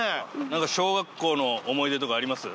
なんか小学校の思い出とかあります？